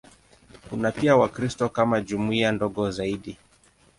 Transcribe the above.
Kuna pia Wakristo kama jumuiya ndogo zaidi.